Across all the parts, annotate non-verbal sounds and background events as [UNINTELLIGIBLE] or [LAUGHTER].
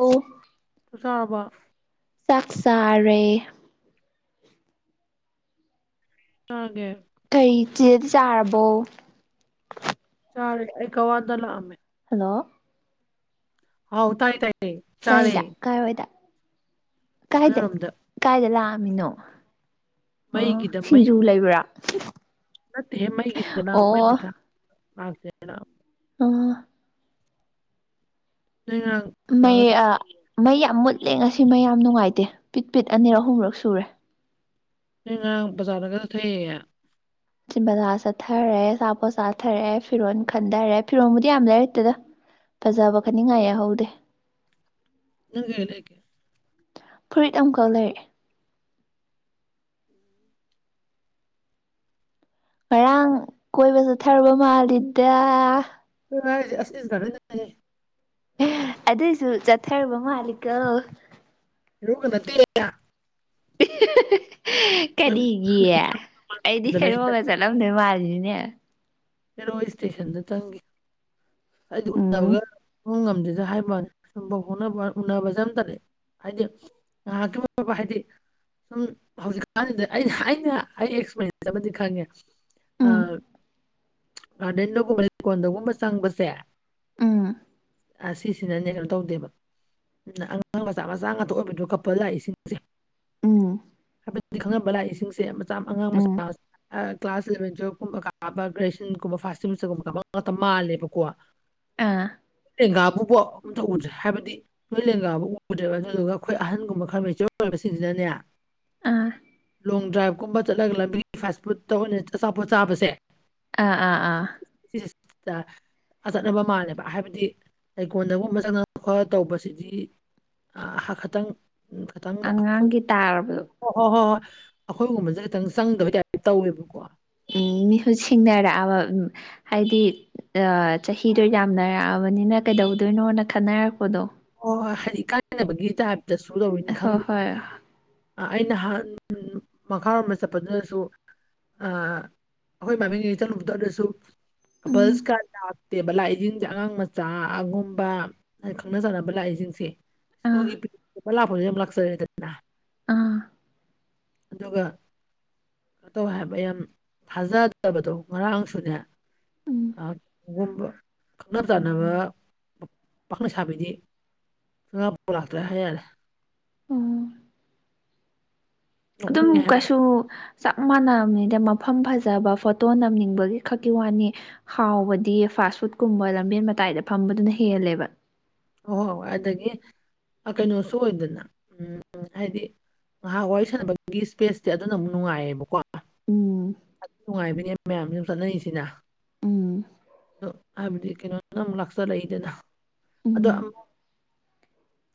ꯑꯣ꯫ ꯈꯨꯁꯥꯕ ꯆꯥꯛꯆꯥꯔꯦ ꯆꯥꯒꯦ ꯀꯩ ꯆꯦꯗꯤ ꯆꯥꯔꯕꯣ ꯆꯥꯔꯦ ꯑꯩ ꯀꯛꯋꯥꯗ ꯂꯥꯛꯑꯝꯃꯦ ꯍꯜꯂꯣ ꯍꯥꯎ ꯇꯥꯏ ꯇꯥꯏ ꯀꯥꯏꯗ ꯀꯥꯏꯋꯥꯏꯗ ꯀꯥꯏꯗ ꯅꯣꯏꯔꯣꯝꯗ ꯀꯥꯏꯗ ꯂꯥꯛꯑꯝꯃꯤꯅꯣ ꯑꯣ ꯃꯩꯒꯤꯗ ꯃꯩ ꯁꯤꯡꯖꯨ ꯂꯩꯕ꯭ꯔꯥ ꯅꯠꯇꯦꯍꯦ ꯃꯩꯒꯤꯗꯅ ꯃꯩ ꯑꯣ ꯄꯩꯁꯥ [UNINTELLIGIBLE] ꯑꯣ [UNINTELLIGIBLE] ꯃꯩ ꯑ ꯃꯩ ꯌꯥꯝ ꯃꯨꯠꯂꯦ ꯉꯁꯤ ꯃꯩ ꯌꯥꯝ ꯅꯨꯡꯉꯥꯏꯇꯦ ꯄꯤꯠ ꯄꯤꯠ ꯑꯅꯤꯔꯛ ꯑꯍꯨꯝꯔꯛ ꯁꯨꯔꯦ ꯅꯣꯏ ꯉꯔꯥꯡ ꯕꯖꯥꯔꯗꯒ ꯆꯠꯊꯩꯑꯌꯦ ꯆꯤꯝ ꯕꯖꯥꯔ ꯆꯠꯊꯔꯦ ꯑꯆꯥꯥꯄꯣꯠ ꯆꯥꯊꯔꯦ ꯐꯤꯔꯣꯟ ꯈꯟꯗꯔꯦ ꯐꯤꯔꯣꯟꯕꯨꯗꯤ ꯌꯥꯝ ꯂꯩꯔꯛꯇꯦꯗ ꯐꯖꯕ ꯈꯟꯅꯤꯡꯉꯥꯏ ꯌꯥꯍꯧꯗꯦ ꯅꯪ ꯀꯩ ꯂꯩꯔꯛꯀꯦ ꯐꯨꯔꯤꯠ ꯑꯝꯈꯛ ꯂꯩꯔꯛꯑꯦ ꯉꯔꯥꯡ ꯀꯣꯏꯕ ꯆꯠꯊꯔꯨꯕ ꯃꯥꯜꯂꯤꯗ [UNINTELLIGIBLE] ꯑꯗꯨꯏꯁꯨ ꯆꯠꯊꯔꯨꯕ ꯃꯥꯜꯂꯤꯀꯣ [UNINTELLIGIBLE] ꯒ ꯅꯠꯇꯦ [UNINTELLIGIBLE] [UNINTELLIGIBLE] ꯀꯔꯤꯒꯤ ꯑꯩꯗꯤ ꯗꯅ ꯑꯩ ꯍꯦꯔꯣꯒ ꯇꯜꯂꯦ ꯆꯠ ꯂꯝꯗꯧ ꯃꯥꯜꯂꯤꯅꯤꯅꯦ ꯍꯦꯔꯣ ꯏꯁꯇꯦꯁꯟꯗ ꯆꯪꯒꯤ ꯑꯩꯗꯤ ꯎꯝ ꯎꯅꯕꯒ ꯁꯨꯡꯉꯝ ꯉꯝꯗꯦꯗ ꯍꯥꯏꯕꯋꯥꯅꯤ ꯁꯨꯝꯕ ꯍꯣꯠꯅꯕ ꯎꯅꯕ ꯖꯦ ꯌꯥꯝ ꯇꯜꯂꯦ ꯍꯥꯏꯗꯤ ꯉꯍꯥꯛꯀꯤ [UNINTELLIGIBLE] ꯍꯥꯏꯗꯤ ꯁꯨꯝ ꯍꯧꯖꯤꯛꯀꯥꯟꯖꯤꯗ ꯑꯩꯅ ꯑꯩꯅ ꯑꯩ ꯑꯦꯛꯁꯄꯤꯔꯦꯟꯁ ꯑꯃꯗꯤ ꯈꯪꯉꯦ ꯑ ꯎꯝ ꯒꯥꯔꯗꯦꯟꯗꯒꯨꯝꯕ ꯂꯩꯀꯣꯟꯗꯒꯨꯝꯕ ꯆꯪꯕꯁꯦ ꯎꯝ ꯑꯁꯤ ꯁꯤꯗꯅꯦ ꯀꯩꯅꯣ ꯇꯧꯗꯦꯕ ꯑꯗꯨꯅ ꯑꯉꯥꯡ ꯃꯆꯥ ꯃꯆꯥ ꯉꯥꯛꯇ ꯑꯣꯏꯕꯗꯣ ꯀꯞꯄꯜ ꯂꯥꯛꯏꯁꯤꯡꯁꯦ ꯎꯝ ꯈꯪꯅꯕ ꯂꯥꯛꯏꯁꯤꯡꯁꯦ ꯃꯆꯥ ꯑꯉꯥꯡ ꯎꯝ ꯃꯆꯥ ꯀ꯭ꯂꯥꯁ ꯏꯂꯚꯦꯟ ꯇꯨꯋꯦꯂꯦꯐ ꯀꯨꯝꯕ ꯀꯥꯕ ꯒ꯭ꯔꯦꯖꯨ [UNINTELLIGIBLE] [UNINTELLIGIBLE] ꯃꯥꯜꯂꯦꯕꯀꯣ ꯑꯥ ꯂꯦꯡꯒꯥꯕꯨꯕꯣ ꯑꯝꯇ ꯎꯗ꯭ꯔꯦ ꯍꯥꯏꯕꯗꯤ ꯅꯣꯏ ꯂꯦꯡꯒꯥꯕꯨ ꯎꯗ꯭ꯔꯦꯕ ꯑꯗꯨꯗꯨꯒ ꯑꯩꯈꯣꯏ ꯑꯍꯟꯒꯨꯝꯕ ꯈꯔ ꯃꯦꯆꯣꯔ ꯑꯣꯏꯕꯁꯤꯡꯁꯤꯅꯅꯦ ꯑꯥ ꯂꯣꯡ ꯗ꯭ꯔꯥꯏꯕ ꯀꯨꯝꯕ ꯆꯠꯂꯒ ꯂꯝꯕꯤꯒꯤ ꯐꯥꯁ ꯐꯨꯗꯠꯇ ꯑꯣꯏꯅ ꯑꯆꯥꯄꯣꯠ ꯆꯥꯕꯁꯦ ꯑꯥ ꯑꯥ ꯑꯥ [UNINTELLIGIBLE] ꯑ ꯆꯠꯅꯕ ꯃꯥꯜꯂꯦꯕ ꯍꯥꯏꯕꯗꯤ ꯂꯩꯀꯣꯟꯗꯒꯨꯝꯕ ꯆꯪꯉ ꯈꯣꯠꯂ ꯇꯧꯕꯁꯤꯗꯤ ꯑ ꯍꯥ ꯈꯇꯪ ꯑꯉꯥꯡꯒꯤ ꯇꯥꯔꯕꯗꯣ ꯍꯣ ꯍꯣꯏ ꯍꯣꯏ ꯍꯣꯏ ꯑꯩꯈꯣꯏꯒꯨꯝꯕꯖꯤꯇꯪ ꯆꯪꯗꯕꯩ ꯇꯥꯏꯞ ꯇꯧꯋꯦꯕꯀꯣ ꯎꯝ ꯃꯤꯁꯨ ꯁꯤꯡꯅꯔꯛꯑꯕ ꯎꯝ ꯍꯥꯏꯗꯤ ꯑ ꯆꯍꯤꯗꯣ ꯌꯥꯝꯅꯔꯛꯑꯕꯅꯤꯅ ꯀꯩꯗꯧꯗꯣꯏꯅꯣꯅ ꯈꯟꯅꯔꯛꯄꯗꯣ ꯑꯣ ꯍꯣꯏ ꯍꯥꯏꯗꯤ ꯏꯀꯥꯢꯅꯕꯒꯤ ꯇꯥꯏꯞꯇꯁꯨ ꯇꯧꯔꯤꯅꯤ ꯍꯣꯏ ꯈꯪꯗꯦ ꯍꯣꯏ ꯑ ꯑꯩ ꯅꯍꯥꯟ ꯃꯈꯥꯔꯣꯝꯗ ꯆꯠꯄꯗꯨꯗꯁꯨ ꯑ ꯑꯩꯈꯣꯏ [UNINTELLIGIBLE] ꯆꯠꯂꯨꯕꯗꯣ ꯑꯗꯁꯨ ꯎꯝ ꯀꯄꯜꯁꯀ ꯂꯥꯛꯇꯦꯕ ꯂꯥꯛꯏꯖꯤꯡꯖꯦ ꯑꯉꯥꯡ ꯃꯆꯥꯒꯨꯝꯕ ꯈꯪꯅ ꯆꯥꯟꯅꯕ ꯂꯥꯛꯏꯖꯤꯡꯁꯦ ꯑꯥ ꯁ꯭ꯀꯨꯜꯒꯤ ꯄꯤꯛꯅꯤꯛ ꯀꯨꯝꯕ ꯂꯥꯛꯄ [UNINTELLIGIBLE] ꯂꯥꯛꯆꯔꯦꯗ ꯑꯥ ꯑꯗꯨꯒ ꯀꯩꯅꯣ ꯇꯧꯋꯦ ꯍꯥꯏꯕ ꯌꯥꯝ ꯊꯥꯖꯗꯕꯗꯣ ꯉꯔꯥꯡꯁꯨꯅꯦ ꯎꯝ ꯨ [UNINTELLIGIBLE] ꯈꯪꯅ ꯆꯥꯟꯅꯕ ꯄꯥꯈꯪ ꯂꯩꯁꯥꯕꯤꯗꯤ ꯏꯂꯥꯞꯄꯨ ꯂꯥꯛꯇ꯭ꯔꯦ ꯍꯥꯏ ꯌꯥꯔꯦ ꯎꯝ ꯑꯗꯨꯝ ꯅꯣꯛꯅꯤꯡꯉꯦ ꯍꯥꯏꯕ ꯀꯩꯁꯨ ꯆꯞ ꯃꯥꯟꯅꯝꯅꯤꯗ ꯃꯐꯝ ꯐꯖꯕ ꯐꯣꯇꯣ ꯅꯝꯅꯤꯡꯕꯒꯤ ꯈꯛꯀꯤ ꯋꯥꯅꯤ ꯍꯥꯎꯕꯗꯤ ꯐꯥꯁ ꯐꯨꯗꯀꯨꯝꯕ ꯂꯝꯕꯦꯟ ꯃꯇꯥꯏꯗ ꯐꯝꯕꯗꯨꯅ ꯍꯦꯜꯂꯦꯕ ꯍꯣꯏ ꯍꯣꯏ ꯑꯗꯒꯤ ꯀꯩꯅꯣꯁꯨ ꯑꯣꯏꯗꯅ ꯎꯝ ꯍꯥꯏꯗꯤ ꯉꯥꯏꯍꯥꯛ ꯋꯥꯔꯤ ꯁꯥꯟꯅꯕꯒꯤ ꯏꯁꯄꯦꯁꯇꯤ ꯑꯗꯨꯅ ꯑꯃꯨꯛ ꯅꯨꯡꯉꯥꯏꯌꯦꯕꯀꯣ ꯎꯝ ꯑꯗꯨ ꯅꯨꯡꯉꯥꯏꯕꯅꯦ ꯃꯌꯥꯝꯁꯨ ꯆꯠꯅꯔꯤꯁꯤꯅ ꯎꯝ ꯑꯗꯣ ꯍꯥꯏꯕꯗꯤ ꯀꯩꯅꯣꯅ ꯑꯃꯨꯛ ꯂꯥꯛꯆꯔꯛꯏꯗꯅ ꯑꯗꯣ ꯎꯝ ꯑꯃ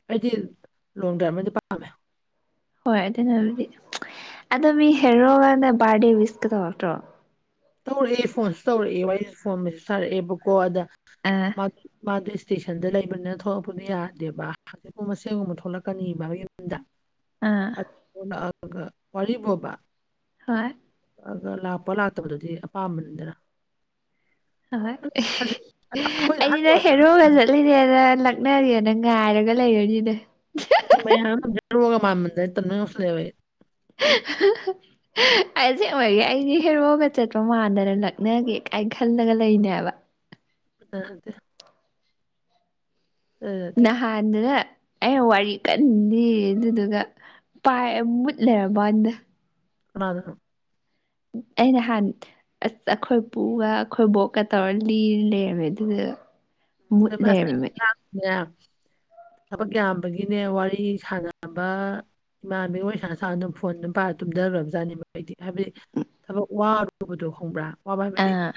ꯑꯩꯗꯤ ꯂꯣꯡ ꯗ꯭ꯔꯥꯏꯕꯅꯗꯤ ꯄꯥꯝꯃꯦ ꯍꯣꯏ ꯑꯗꯨꯅꯕꯨꯗꯤ ꯑꯗꯣ ꯃꯤ ꯍꯦꯔꯣꯒꯥꯅ ꯕꯥꯔꯗꯦ ꯋꯤꯁꯀꯥ ꯇꯧꯔꯛꯇ꯭ꯔꯣ ꯇꯧꯔꯛꯑꯦ ꯐꯣꯟꯁꯨ ꯇꯧꯔꯛꯑꯦ ꯋꯥꯔꯤꯖꯨ ꯐꯣꯟꯗꯁꯨ ꯁꯥꯔꯛꯑꯦꯕꯀꯣ ꯑꯗ ꯑꯥ ꯃꯥ ꯃꯥꯗꯣ ꯏꯁꯇꯦꯁꯟꯗ ꯂꯩꯕꯅꯤꯅ ꯊꯣꯛꯂꯛꯄꯗꯨ ꯌꯥꯗꯦꯕ ꯍꯥꯆꯤꯛꯀꯨꯝꯕ ꯃꯁꯦꯝꯒꯨꯝꯕ ꯊꯣꯛꯂꯛꯀꯥꯅꯤꯕ ꯌꯨꯝꯗ ꯑꯥ ꯑꯗꯨ ꯊꯣꯛꯂꯒ ꯋꯥꯔꯤꯕꯣꯕꯥ ꯍꯣꯏ ꯑꯗ ꯂꯥꯛꯄ ꯂꯥꯛꯇꯕꯗꯨꯗꯤ ꯑꯄꯥꯝꯕꯅꯤꯗꯅ ꯍꯣ ꯍꯣꯏ ꯍꯧꯖꯤꯛ ꯑꯩꯈꯣꯏꯗ ꯑꯍꯟ ꯑꯩꯗꯤꯅ ꯍꯦꯔꯣꯒ ꯑꯣꯏꯔꯗꯤ ꯆꯠꯂꯤꯅꯦꯅ ꯂꯥꯛ ꯅꯒꯦꯅ ꯉꯥꯏꯔꯒ ꯂꯩꯔꯅꯤꯅꯦ ꯑꯗꯨꯅꯦ ꯃꯌꯥꯝ [UNINTELLIGIBLE] ꯍꯦꯔꯣꯒ ꯃꯥꯃꯟꯗꯅ ꯇꯟꯕ ꯃꯥ ꯌꯥꯎꯁꯤꯜꯂꯦꯕ ꯑꯩ [UNINTELLIGIBLE] ꯑꯩ ꯑꯁꯦꯡꯕꯒꯤ ꯑꯩꯗꯤ ꯍꯦꯔꯣꯒ ꯆꯠꯄ ꯃꯥꯟꯗꯅ ꯂꯛꯅꯒꯦ ꯀꯥꯏꯅ ꯈꯜꯂꯒ ꯂꯩꯔꯤꯅꯦ ꯍꯥꯏꯕ [UNINTELLIGIBLE] [UNINTELLIGIBLE] ꯉꯍꯥꯟꯅꯗꯨꯅ ꯑꯩꯅ ꯋꯥꯔꯤ ꯀꯟꯅ ꯂꯤꯔꯤ ꯑꯗꯨꯗꯨꯒ ꯄꯥꯏꯔ ꯃꯨꯠ ꯂꯩꯔꯝꯕꯥ ꯋꯥꯅꯤꯗ ꯀꯅꯥꯗꯥꯅꯣ ꯑꯩ ꯅꯍꯥꯟ ꯑꯁ ꯑꯩꯈꯣꯏ ꯄꯨꯒ ꯑꯩꯈꯣꯏ ꯕꯣꯛꯀꯥ ꯇꯧꯔ ꯂꯤꯔ ꯂꯩꯔꯝꯃꯦ ꯑꯗꯨꯒ [UNINTELLIGIBLE] ꯊꯕꯛ ꯌꯥꯝꯕꯒꯤꯅꯦ ꯋꯥꯔꯤ ꯁꯥꯟꯅꯕ ꯏꯃꯥꯟꯕꯤꯒ ꯋꯔꯤ ꯁꯥꯥꯟꯅ ꯁꯥꯟꯅ ꯑꯗꯨꯝ ꯐꯣꯟ ꯑꯗꯨꯝ ꯄꯥꯏꯔ ꯇꯨꯝꯗꯒꯔꯕꯖꯥꯠꯅꯤꯕ ꯑꯩꯗꯤ ꯍꯥꯏꯕꯗꯤ ꯊꯕꯛ ꯋꯥꯔꯨꯕꯗꯣ ꯈꯪꯕ꯭ꯔꯥ ꯋꯥꯕ ꯍꯥꯏꯕꯗꯤ ꯑꯥ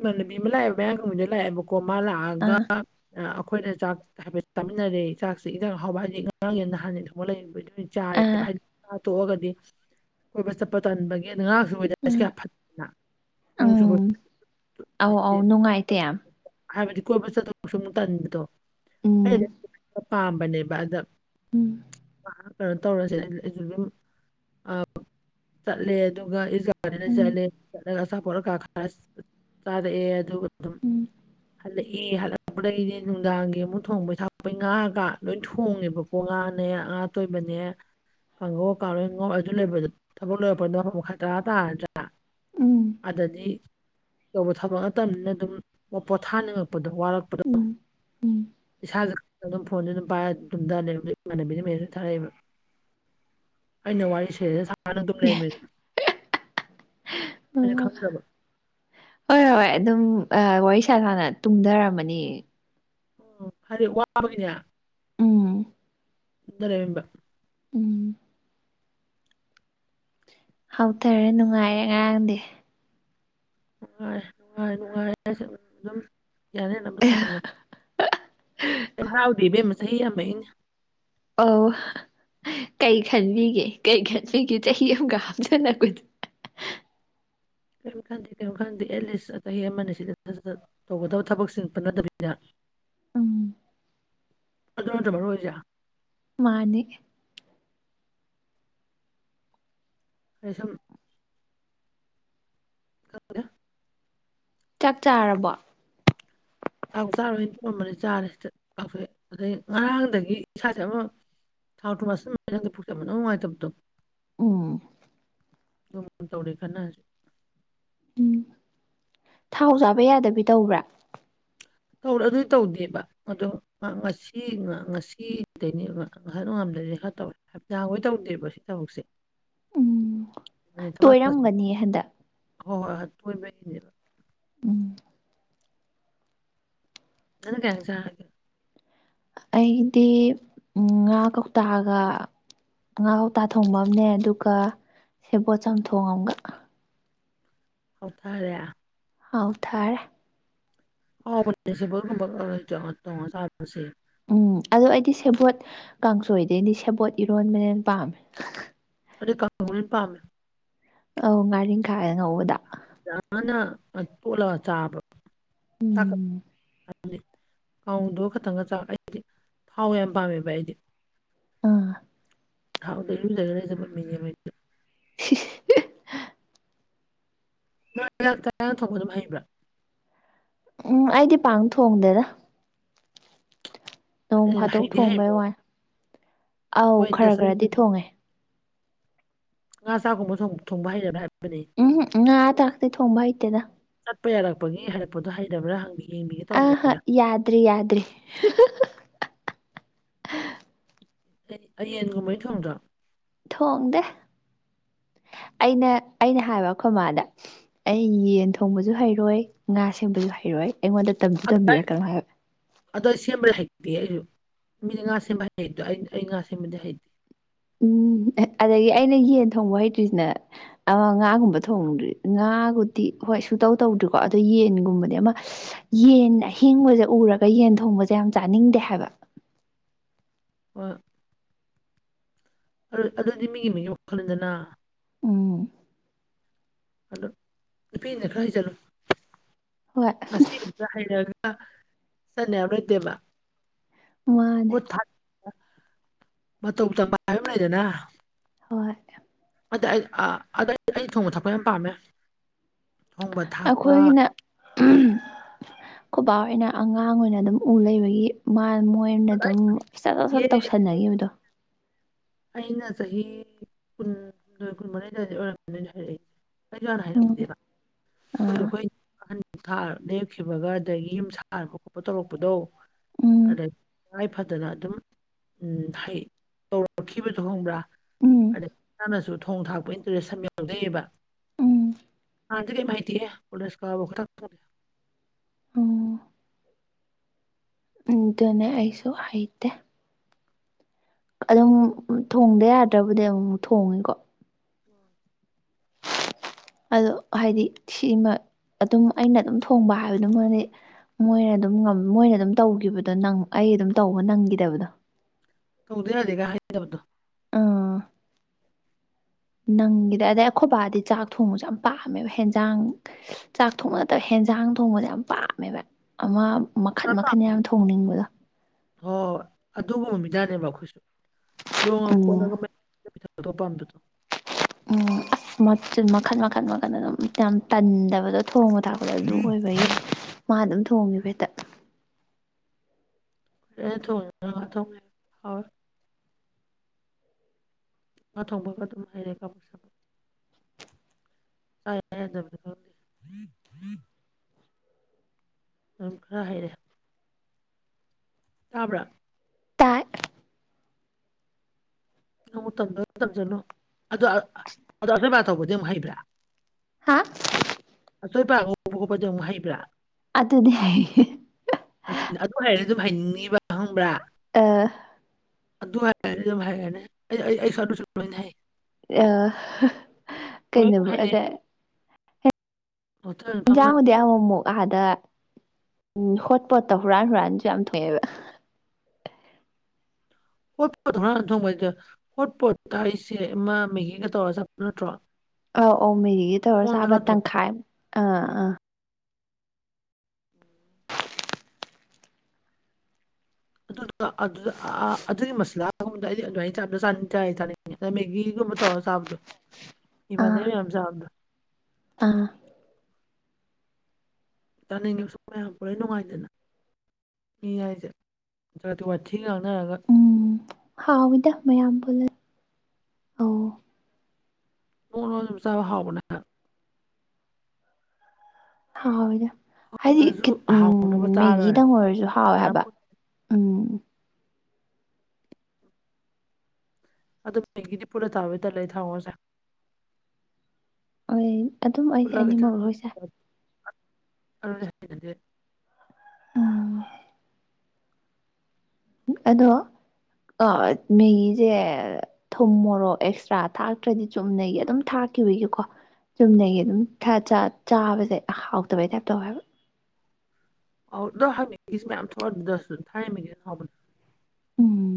ꯏꯃꯥꯟꯅꯕꯤ ꯑꯃ ꯂꯥꯛꯑꯦꯕ ꯃꯌꯥꯡ ꯀꯪꯕꯤꯗꯣ ꯂꯥꯛꯑꯦꯕꯀꯣ ꯀꯣ ꯃꯥ ꯂꯥꯛꯑꯒ ꯑꯥ ꯑꯩꯈꯣꯏꯅ ꯆꯥꯛ ꯍꯥꯏꯕ ꯆꯥꯃꯤꯟꯅꯔꯦ ꯆꯥꯛꯁꯤ ꯏꯟꯖꯥꯡ ꯑꯍꯥꯎꯕ ꯍꯥꯏꯗꯤ ꯉꯥꯔꯡꯒꯤ ꯅꯍꯥꯟ ꯌꯦꯟ ꯊꯣꯡꯕ ꯂꯩꯩꯗꯨ ꯆꯥꯔꯦꯕ ꯑꯥ ꯍꯥꯏꯗꯤ ꯇꯣꯛꯑꯒꯗꯤ ꯀꯣꯏꯕ ꯆꯠꯄ ꯇꯟꯕꯒꯤ ꯑꯗ ꯉꯥꯔꯡꯁꯨ ꯑꯣꯏ ꯋꯦꯗꯔꯁꯦ ꯎꯝ ꯀꯌꯥ ꯐꯠꯇꯦꯅ ꯅꯣꯡ ꯆꯨꯕ ꯎꯝ ꯑꯧ ꯑꯧ ꯅꯨꯡꯉꯥꯏꯇꯦ ꯌꯥꯝ [UNINTELLIGIBLE] ꯍꯥꯏꯕꯗꯤ ꯀꯣꯏꯕ ꯆꯠ ꯇꯣꯏꯁꯨ ꯑꯃꯨꯛ ꯇꯟꯕꯗꯣ ꯎꯝ ꯑꯩꯩꯅꯗꯤ ꯄꯥꯝꯕꯅꯦꯕ ꯑꯗ ꯎꯝ ꯃꯥ ꯀꯩꯅꯣ ꯇꯧꯔꯁꯦ ꯑꯗꯨꯝ ꯆꯠꯂꯦ ꯑꯗꯨꯒ ꯏꯁ ꯒꯥꯔꯗꯦꯟꯗ ꯎꯝ ꯆꯠꯂꯦ ꯆꯠꯂꯒ ꯑꯆꯥꯄꯣꯠ ꯑꯀꯥ ꯈꯔ ꯆꯥꯔꯛꯑꯦ ꯑꯗꯨꯒ ꯑꯗꯨꯝ ꯎꯝ ꯍꯜꯂꯛꯑꯦ ꯍꯜꯂꯛꯄꯗꯩꯗꯤ ꯅꯨꯡꯗꯥꯡꯒꯤ ꯑꯃꯨꯛ ꯊꯣꯡꯕꯩ ꯊꯥꯛꯄꯩ ꯉꯥꯒ ꯂꯣꯏ ꯊꯣꯡꯉꯦꯕꯀꯣ ꯉꯥꯅꯦ ꯉꯥ ꯑꯇꯣꯏꯕꯅꯦ ꯀꯥꯡꯍꯧ ꯀꯩꯀꯥ ꯂꯣꯏ ꯉꯧ ꯑꯗꯨ ꯂꯩꯕꯗꯣ ꯊꯕꯛ ꯂꯣꯔꯛꯄꯗ ꯃꯄꯟ ꯃꯈꯥꯏ ꯇꯔꯥ ꯇꯥꯔꯗ꯭ꯔꯥ ꯎꯝ ꯑꯗꯥꯗꯤ ꯇꯧꯕ ꯊꯕꯛ ꯅꯠꯇꯕꯅꯤꯅ ꯑꯗꯨꯝ ꯄꯣꯠ ꯊꯥꯅꯤꯡꯉꯛꯄꯗꯣ ꯋꯥꯔꯛꯄ ꯎꯝ ꯏꯁꯥꯥꯖꯦ ꯈꯪꯗꯅ ꯑꯗꯨꯝ ꯐꯣꯟꯖꯦ ꯑꯗꯨꯝ ꯄꯥꯏꯔꯒ ꯇꯨꯝꯗꯥ ꯂꯩꯔꯝꯃꯦ ꯏꯃꯥꯟꯅꯕꯤꯅ ꯃꯦꯁꯦꯁ ꯊꯥꯔꯛꯏꯕ ꯑꯩꯅ ꯋꯥꯔꯤ ꯁꯦꯔꯤꯌꯦꯁꯇ ꯁꯥꯔꯒ ꯅꯪ ꯇꯨꯝ ꯂꯩꯔꯝꯃꯦꯗꯣ ꯎꯝ ꯍꯣꯏ ꯍꯣꯏ ꯑꯗꯨꯝ ꯑꯋꯥꯔꯤ ꯁꯥ ꯁꯥꯅ ꯇꯨꯝꯗꯔꯝꯃꯅꯤꯌꯦ ꯑ ꯍꯥꯏꯗꯤ ꯋꯥꯕꯒꯤꯅꯦ ꯎꯝ ꯅ ꯔꯦꯕꯤꯝꯕ ꯎꯝ ꯍꯥꯎꯊꯔꯦ ꯅꯨꯡꯉꯥꯏꯔꯦ ꯉꯔꯥꯡꯗꯤ ꯅꯨꯡꯉꯥꯏ ꯅꯨꯡꯉꯥꯏ ꯅꯨꯡꯉꯥꯏꯔꯦ ꯑꯩꯁꯦ ꯑꯗꯨꯝ ꯌꯥꯅ ꯌꯥꯅ ꯇꯧꯁꯟꯒꯔꯦ ꯌꯥꯝ ꯍꯥꯎꯗꯤꯕꯦꯝꯃ ꯆꯍꯤ ꯌꯥꯝ ꯑꯩꯅ ꯑꯧ ꯀꯩ ꯈꯟꯕꯤꯒꯦ ꯀꯩ ꯈꯟꯕꯤꯒꯦ ꯆꯍꯤ ꯑꯃꯒ ꯍꯥꯞꯆꯟꯅꯛꯄꯗ ꯀꯔꯤꯝ ꯈꯟꯗꯦ ꯀꯔꯤꯝ ꯈꯟꯗꯦ ꯑꯦꯠꯂꯤꯁ ꯆꯍꯤ ꯑꯃꯅꯤ ꯁꯤꯗ ꯁꯤꯗ ꯘꯇꯧꯒꯗꯕ ꯊꯕꯛꯁꯤꯡ ꯄꯟꯅꯗꯕꯤꯗ ꯎꯝ ꯑꯗꯨ ꯅꯠꯇꯕꯣꯣꯏꯖꯥ ꯃꯥꯅꯤ ꯀꯩꯁꯨꯝ ꯈꯪꯗꯦ ꯆꯥꯛ ꯆꯥꯔꯕꯣ ꯑꯩ ꯆꯔꯣꯏ ꯇꯧꯔꯝꯕꯅꯤ ꯆꯥꯔꯦ [UNINTELLIGIBLE] ꯉꯔꯥꯡꯗꯒꯤ ꯏꯁꯥꯁꯦ ꯑꯃꯨ ꯊꯥꯎ ꯊꯨꯝ ꯆꯥꯁꯟꯕꯩꯔꯥ ꯈꯪꯗꯦ ꯄꯨꯛꯁꯦ ꯌꯥꯝ ꯏꯅꯨꯡ ꯅꯨꯡꯉꯥꯏꯇꯕꯗꯣ ꯎꯝ ꯑꯗꯨ ꯇꯧꯔꯦ ꯈꯟꯅ ꯎꯝ ꯊꯥꯎ ꯆꯥꯕ ꯌꯥꯗꯕꯤ ꯇꯧꯕ꯭ꯔꯥ ꯇꯧꯔꯣꯏ ꯑꯗꯨꯗꯤ ꯇꯧꯗꯦꯕ ꯑꯗꯨ ꯃꯥ ꯉꯥꯁꯤ ꯉ ꯉꯥꯁꯤꯗꯩꯅꯦꯕꯥ ꯉꯁꯥꯏ ꯅꯣꯡꯉꯥꯟꯕꯗꯩꯗꯤ ꯈ꯭ꯔ ꯇꯧꯋꯦ ꯍꯞꯇꯥꯥꯡꯈꯣꯏ ꯇꯧꯗꯦꯕꯣ ꯁꯤ ꯊꯕꯛꯁꯦ ꯎꯝ ꯇꯣꯏꯔꯝꯒꯅꯤ ꯍꯟꯗꯛ [UNINTELLIGIBLE] ꯎꯝ [UNINTELLIGIBLE] ꯑꯩꯗꯤ ꯉꯥ ꯀꯧꯇꯥꯒ ꯉ ꯍꯥꯎꯇꯥ ꯊꯣꯡꯕ ꯑꯃꯅꯦ ꯑꯗꯨꯒ ꯁꯦꯕꯣꯠ ꯆꯝꯊꯣꯡꯑꯝꯒ ꯍꯥꯎꯊꯔꯦ ꯑꯥꯎ ꯊꯥꯔ [UNINTELLIGIBLE] ꯎꯝ ꯑꯗꯣ ꯑꯩꯗꯤ ꯁꯦꯕꯣꯠ ꯀꯥꯡꯁꯣꯏꯗꯩꯗꯤ ꯁꯦꯕꯣꯠ ꯏꯔꯣꯟꯕꯥꯅ ꯍꯦꯟꯅ ꯄꯥꯝꯃꯦ ꯑꯩ ꯀꯅ ꯄꯥꯝꯃꯦ ꯑ ꯉꯥꯔꯤꯡꯈꯥ ꯉꯧꯕꯗ ꯌꯥꯝꯅ ꯇꯣꯂꯛꯒ ꯆꯥꯕ꯭ꯔꯠ ꯎꯝ ꯗꯤ ꯀꯥꯡꯗꯨꯣꯒ ꯈꯇꯪꯒ ꯆꯥꯛ ꯑꯩꯗꯤ ꯊꯥꯎ ꯌꯥꯝ ꯄꯥꯝꯃꯦꯕ ꯑꯩꯗꯤ ꯑꯥ ꯊꯥꯎꯗꯩꯔꯨꯖꯔꯖꯕꯠ ꯃꯤꯉꯦ ꯃꯥꯔꯛ ꯃꯥꯔꯛ ꯆꯥꯛ ꯏꯟꯖꯥꯡ ꯊꯣꯡꯕ ꯑꯗꯨꯝ ꯍꯩꯕ꯭ꯔꯥ ꯎꯝ ꯑꯩꯗꯤ ꯄꯥꯡ ꯊꯣꯡꯗꯦꯗ꯫ ꯅꯣꯡ ꯐꯥꯗꯣꯛ ꯍꯩꯗꯤ ꯊꯣꯡꯕꯩ ꯍꯩꯕ꯭ꯔꯥ ꯋꯥꯅꯦ ꯑꯧ ꯍꯣꯏ ꯈ꯭ꯔ ꯈ꯭ꯔꯗꯤ ꯊꯣꯡꯉꯦ ꯉꯥ ꯆꯥꯒꯨꯝꯕ ꯊꯣꯡꯕ ꯍꯩꯔꯕ ꯍꯥꯏꯕꯅꯤ ꯎꯝ ꯉꯥ ꯑ ꯇꯔꯛꯇ ꯊꯣꯡꯕ ꯍꯩꯇꯦꯗ ꯆꯠꯄ ꯌꯥꯔꯛꯄꯒꯤ ꯍꯥꯏꯔꯛꯄꯥꯗꯣ ꯍꯥꯏꯗꯕ꯭ꯔꯥ ꯍꯪꯕꯤꯒꯦ ꯌꯦꯡꯕꯤꯒꯦ ꯑꯍꯥ ꯇꯧꯕꯅꯤꯅ ꯌꯥꯗ꯭ꯔꯤ ꯌꯥꯗ꯭ꯔꯤ ꯑ ꯌꯦꯟ ꯒꯨꯝꯕꯗꯤ ꯊꯣꯡꯗ꯭ꯔꯣ ꯊꯣꯡꯗꯦ ꯑꯩꯅ ꯑꯩꯅ ꯍꯥꯏꯕ ꯑꯩꯈꯣꯏꯃꯥꯗ ꯑꯩ ꯌꯦꯟ ꯊꯣꯡꯕꯁꯨ ꯍꯩꯔꯣꯏ ꯉꯥ ꯁꯦꯡꯕꯁꯨ ꯍꯩꯔꯣꯏ ꯑꯩꯉꯣꯟꯗ ꯇꯝꯁꯨ ꯇꯝꯕꯤꯔꯛꯀꯅꯨ ꯍꯥꯏꯕ ꯑꯗꯣ ꯑꯩ ꯁꯦꯝꯕꯗꯤ ꯍꯩꯇꯦ ꯑꯩꯁꯨ ꯃꯤꯗꯤ ꯉꯥ ꯁꯦꯝꯕ ꯍꯩꯅꯩꯗꯣ ꯑꯩ ꯑꯩ ꯉꯥ ꯁꯦꯝꯕꯗꯤ ꯍꯩꯇꯦ ꯎꯝ ꯑꯗꯒꯤ ꯑꯩꯅ ꯌꯦꯟ ꯊꯣꯡꯕ ꯍꯩꯇ꯭ꯔꯤꯁꯤꯅ꯫ ꯑ ꯉꯥꯒꯨꯝꯕ ꯊꯣꯡꯗ꯭ꯔꯤ ꯉꯥꯕꯨꯗꯤ ꯍꯣꯏ ꯁꯨꯛꯇꯧ ꯇꯧꯗ꯭ꯔꯤꯀꯣ ꯑꯗꯣ ꯌꯦꯟꯒꯨꯝꯕꯗꯤ ꯑꯃ ꯌꯦꯟ ꯑꯍꯤꯡꯕꯁꯦ ꯎꯔꯒ ꯌꯦꯟ ꯊꯣꯡꯕꯁꯦ ꯌꯥꯝ ꯆꯥꯅꯤꯡꯗꯦ ꯍꯥꯏꯕ [UNINTELLIGIBLE] ꯑꯜ ꯑꯗꯨꯗꯤ ꯃꯤꯒꯤ ꯃꯤꯅꯣꯛ ꯈꯂꯗꯅ ꯎꯝ ꯑꯗꯣ ꯅꯨꯄꯤꯅꯤꯅ ꯈꯔ ꯍꯩꯖꯜꯂꯨ ꯍꯣꯏ ꯑꯁꯤ ꯍꯩꯔꯒ ꯆꯠꯅꯦꯌꯥꯝ ꯅꯠꯇꯦꯕ ꯃꯥꯅꯦ ꯈꯨꯠ ꯃꯇꯧ ꯇꯝꯕ ꯍꯥꯏꯕ ꯑꯃ ꯂꯩꯗꯅ ꯍꯣꯏ꯫ ꯑꯗ ꯑꯩ ꯑ ꯑꯗ ꯑꯩꯗꯣ ꯊꯣꯡꯕ ꯊꯥꯛꯄ ꯌꯥꯝ ꯄꯥꯝꯃꯦ ꯊꯣꯡꯕ ꯊꯥꯛꯄ ꯑꯩꯈꯣꯏꯒꯤꯅ ꯈꯨꯕꯥ ꯑꯣꯏꯅ ꯑꯉꯥꯡ ꯑꯣꯏꯅ ꯑꯗꯨꯝ ꯎ ꯂꯩꯕꯒꯤ ꯃꯣꯏ ꯑꯩꯅ ꯑꯗ ꯑꯩ ꯑꯗꯨꯝ ꯆꯠꯂꯒ ꯇꯧꯁꯟꯅꯒꯤꯕꯗꯣ ꯑꯩꯅ ꯆꯥꯍꯤ ꯀꯨꯟꯍꯨꯝꯗꯣꯏ ꯀꯨꯟꯃꯥꯔꯤ ꯑꯗꯋꯥꯏꯗꯩ ꯑꯣꯏꯔꯝꯒꯅꯤ ꯑꯩꯅ ꯍꯩꯔꯛꯏꯁꯦ ꯑꯩꯁꯨ ꯍꯥꯟꯅ ꯎꯝ ꯍꯥꯏꯔꯝꯗꯦꯗ ꯑꯥ ꯑꯩꯈꯣꯏꯁꯨ ꯑꯩꯈꯣꯏ [UNINTELLIGIBLE] ꯊꯥ ꯅꯦꯛꯈꯤꯕꯒ ꯑꯗꯒꯤ ꯌꯨꯝ ꯁꯥꯕ ꯈꯣꯠꯄ ꯇꯧꯔꯛꯄꯗꯣ ꯎꯝ ꯑꯗꯩ ꯇꯉꯥꯏ ꯐꯗꯅ ꯑꯗꯨꯝ ꯍꯩ ꯄꯨꯔꯛꯈꯤꯕꯥꯗꯨ ꯈꯪꯕ꯭ꯔꯥ ꯎꯝ ꯑꯗꯩ ꯅꯪꯅꯥꯁꯨ ꯊꯣꯡ ꯊꯥꯛꯄ ꯏꯟꯇꯥꯔꯦꯁ ꯌꯥꯝ ꯌꯥꯎꯖꯩꯕ ꯎꯝ ꯍꯥꯟꯅꯗꯤ ꯀꯦꯝ ꯍꯩꯇꯦ ꯍꯦ ꯀꯣꯂꯦꯖ ꯀꯥꯕꯧ ꯑꯩꯈꯣꯏ ꯆꯥꯛ ꯊꯣꯡꯗꯦ ꯎꯝ ꯑꯗꯨꯅꯦ ꯑꯩꯁꯨ ꯍꯩꯇꯦ꯫ ꯑꯗꯨꯝ ꯊꯣꯡꯗ ꯌꯥꯗ꯭ꯔꯕꯨꯗꯤ ꯑꯃꯨꯛ ꯃꯨꯛ ꯊꯣꯡꯉꯤꯀꯣ ꯎꯝ꯫ ꯑꯗꯣ ꯍꯥꯏꯗꯤ ꯁꯤꯃ ꯑꯗꯨꯝ ꯑꯩꯅ ꯑꯗꯨꯝ ꯊꯣꯡꯕ ꯍꯥꯏꯕꯗꯨꯃꯗꯤ ꯃꯣꯏꯅ ꯑꯗꯨꯝ ꯃꯣꯏꯅ ꯑꯗꯨꯝ ꯇꯧꯈꯤꯕꯗꯣ ꯅ ꯑꯩ ꯑꯗꯨꯝ ꯇꯧꯕ ꯅꯪꯈꯤꯗꯕꯗꯣ ꯇꯧꯗꯥ ꯌꯥꯗꯦꯒ ꯍꯥꯏꯗꯕꯗꯣ ꯑꯥ ꯅꯪꯒꯤꯗ ꯑꯗꯩ ꯑꯩꯈꯣꯏ ꯗꯤ ꯆꯥꯛ ꯊꯣꯡꯕꯁꯨ ꯌꯥꯝ ꯄꯥꯝꯃꯦꯕ ꯍꯦꯟꯖꯥꯡ ꯆꯥꯛ ꯊꯣꯡꯕ ꯅꯠꯇꯕ ꯍꯦꯟꯖꯥꯡ ꯊꯣꯡꯕꯁꯦ ꯌꯥꯝ ꯄꯥꯝꯃꯦꯕ ꯑꯃꯥ ꯃꯈꯟ ꯃꯈꯟ ꯌꯥꯝ ꯊꯣꯡꯅꯤꯡꯕꯗꯣ ꯍꯣꯏ ꯑꯗꯨꯒꯨꯝꯕ ꯃꯤꯗꯥꯅꯦ ꯃꯈꯣꯏꯖꯨ ꯨꯂꯣꯡꯉ ꯎꯝ ꯈꯣꯠꯂꯒ ꯑꯇꯣꯞꯄꯝꯗꯨ ꯎꯝ ꯑꯁ ꯃꯥꯆꯜ ꯃꯈꯟ ꯃꯈꯟ ꯃꯈꯟ ꯑꯗꯨꯝ ꯌꯥꯝ ꯇꯟꯗꯥꯕꯗꯣ ꯊꯣꯡꯕ ꯊꯥꯛꯄꯗꯥ ꯑꯗꯨ ꯑꯣꯏꯕꯒꯤ ꯃꯥ ꯑꯗꯨꯝ ꯊꯣꯡꯒꯤꯕ ꯍꯦꯛꯇꯥ ꯑꯦ ꯊ ꯊ ꯉ ꯊꯣꯡꯕꯒ ꯑꯗꯨꯝ ꯍꯩꯔꯦ ꯀꯣ [UNINTELLIGIBLE] ꯎꯝ ꯎꯝ ꯑꯗꯨꯝ ꯈꯔ ꯍꯩꯔꯦ ꯇꯥꯕ꯭ꯔꯥ ꯇꯥꯏ ꯅꯪꯕꯨ ꯇꯟꯗ꯭ꯔꯣ ꯇꯝꯖꯜꯂꯩ ꯑꯗꯣ ꯑꯗꯣ ꯑꯆꯨꯝ ꯑꯔꯥꯟ ꯇꯧꯕꯗꯤ ꯑꯃꯨꯛ ꯍꯩꯕ꯭ꯔꯥ ꯍꯥ ꯑꯁꯣꯏꯄ ꯉꯧꯕ ꯈꯣꯠꯄꯗ ꯑꯃꯨꯛ ꯍꯩꯕ꯭ꯔꯥ ꯑꯗꯨꯅꯦ ꯑꯗꯨꯅꯤ ꯑꯗꯨ ꯍꯩꯏꯔꯗꯤ ꯑꯗꯨꯝ ꯍꯥꯏꯅꯤꯡꯅꯤꯕ ꯈꯪꯕ꯭ꯔꯥ ꯑ ꯑꯗꯨ ꯑꯗꯨ ꯍꯥꯏꯅꯤ ꯍꯥꯏꯒꯅꯦ ꯑꯩ ꯁ ꯆꯠꯅꯦ ꯑ ꯍ ꯂꯣꯏꯅ ꯀꯩꯅꯣꯕꯨ ꯍꯩꯔꯦ ꯑꯗ ꯍꯣꯇꯦꯜ ꯐꯝꯃꯅꯤ ꯖꯥꯃꯗꯤ ꯌꯥꯝ ꯃꯃꯣ ꯑꯥꯗ ꯎꯝ ꯍꯣꯠꯄꯣꯠꯇ ꯍꯨꯔꯥꯟ ꯍꯨꯔꯥꯟꯁꯨ ꯌꯥꯝ ꯊꯣꯛꯑꯦꯕ ꯍꯣꯠꯄꯣꯠ ꯍꯨꯔꯥꯜꯂ ꯊꯣꯡꯕ ꯍꯥꯏꯖꯦ ꯍꯣꯠꯄꯣꯠ ꯍꯥꯏꯁꯦ ꯑꯃꯥ ꯃꯦꯒꯤꯒ ꯇꯧꯔ ꯆꯥꯕꯗꯣ ꯅꯠꯇ꯭ꯔꯣ ꯑ ꯑꯧ ꯃꯦꯒꯤꯒ ꯇꯧꯔ ꯀꯣꯟꯗꯣ ꯆꯥꯕ ꯅꯠꯇ꯭ꯔꯣ ꯇꯪꯈꯥꯏ ꯑꯥ ꯑꯥ [UNINTELLIGIBLE] [UNINTELLIGIBLE] ꯑꯗ ꯃꯦꯒꯤꯒꯨꯝꯕ ꯇꯧꯔ ꯆꯥꯕꯗꯣ ꯑꯥ ꯏꯃꯥꯟꯅꯩ ꯃꯌꯥꯝ ꯆꯥꯕꯗꯣ ꯑꯥ [UNINTELLIGIBLE] ꯅꯨꯡꯉꯥꯏꯗꯅ ꯃꯤ ꯍꯥꯏꯖꯦ ꯖꯒꯠꯀꯤ ꯋꯥꯊꯤ ꯉꯥꯡꯅꯔ ꯎꯝ ꯍꯥꯎꯋꯤꯗ ꯃꯌꯥꯝ ꯄꯨꯜꯂ ꯑꯧ ꯅꯣꯛ ꯅꯣꯛꯅ ꯑꯗꯨꯝ ꯆꯥꯕ ꯍꯥꯎꯕꯅꯦ [UNINTELLIGIBLE] ꯍꯥꯎꯋꯤꯗ ꯍꯥꯏꯗꯤ ꯍꯧꯔꯁꯨ ꯎ ꯍꯥꯎꯅꯕ ꯆꯥ ꯂꯣꯏꯔꯦ ꯃꯦꯒꯤꯗꯪ ꯑꯣꯏꯔꯁꯨ ꯍꯥꯎꯋꯦ ꯃꯌꯥꯝ ꯍꯥꯏꯕ ꯄꯨꯟꯅ ꯎꯝ ꯑꯗꯣ ꯃꯦꯒꯤꯗꯤ ꯐꯨꯠꯂ ꯆꯥꯕꯗꯤ ꯇꯟꯂꯦ ꯑꯩ ꯊꯥꯎ ꯉꯧꯔꯒ ꯆꯥꯏ ꯑꯩ ꯑꯗꯨꯝ ꯑꯩꯗꯤ ꯑꯅꯤꯃꯛ ꯂꯣꯏ ꯆꯥꯏ ꯑ [UNINTELLIGIBLE] ꯍꯩꯅꯗ‌ꯦ ꯎꯝ ꯑꯗꯣ ꯑꯠ ꯃꯦꯒꯤꯖꯦ ꯊꯨꯝ ꯃꯣꯔꯣꯛ ꯑꯦꯛꯁꯇ꯭ꯔꯥ ꯊꯥꯛꯇ꯭ꯔꯗꯤ ꯆꯨꯝꯅꯒꯤ ꯑꯗꯨꯝ ꯊꯥꯛꯈꯤꯕꯒꯤꯀꯣ ꯆꯨꯝꯅꯒꯤ ꯑꯗꯨꯝ ꯊ ꯆꯥ ꯆꯥꯕꯖꯦ ꯍꯥꯎꯇꯕꯩ ꯇꯥꯏꯞ ꯇꯧꯋꯦ ꯍꯥꯏꯕ [UNINTELLIGIBLE] ꯊꯥꯏꯅ ꯃꯦꯒꯤꯗꯣ ꯍꯥꯎꯕꯅꯤ ꯎꯝ